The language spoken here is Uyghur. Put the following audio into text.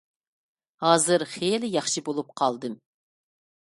ھازىر خېلى ياخشى بولۇپ قالدىم.